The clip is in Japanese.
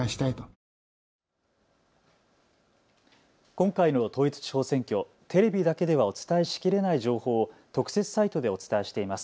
今回の統一地方選挙、テレビだけではお伝えしきれない情報を特設サイトでお伝えしています。